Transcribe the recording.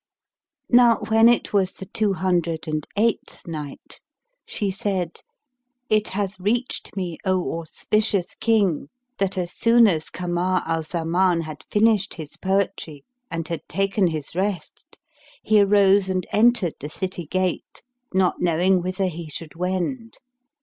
When it was the Two Hundred and Eighth Night, She said, It hath reached me, O auspicious King, that as soon as Kamar al Zaman had finished his poetry and had taken his rest, he arose and entered the city gate[FN#311] not knowing whither he should wend.